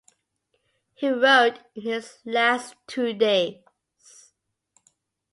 He rode in his last two days.